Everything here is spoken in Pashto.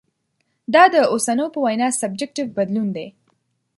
دا د اوسنو په وینا سبجکټیف بدلون دی.